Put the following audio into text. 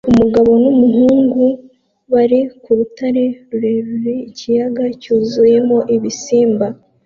Umugabo n'umuhungu bari ku rutare rureba ikiyaga cyuzuyemo ibisimba